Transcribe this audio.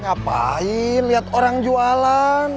ngapain liat orang jualan